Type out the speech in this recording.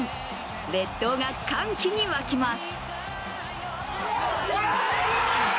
列島が歓喜に沸きます。